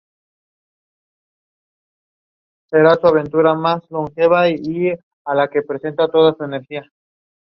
She has stated that she has autism.